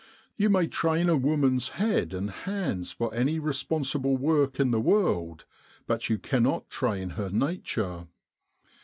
You may train a woman's head and hands for any responsible work in the world ; but you cannot train her nature.